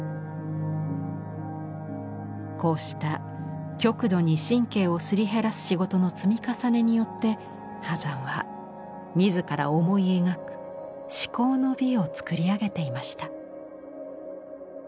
こうした極度に神経をすり減らす仕事の積み重ねによって波山は自ら思い描く至高の美を作り上げていました。